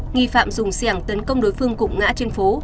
nghị phạm dùng xe hàng tấn công đối phương cụng ngã trên phố